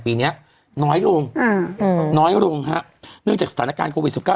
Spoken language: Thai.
ปีนี้น้อยลงอ่าน้อยลงฮะเนื่องจากสถานการณ์โควิดสิบเก้า